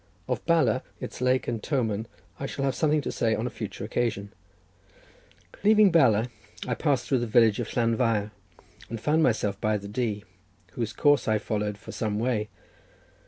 Of Bala, its lake, and Tomen, I shall have something to say on a future occasion. Leaving Bala, I passed through the village of Llanfair, and found myself by the Dee, whose course I followed for some way.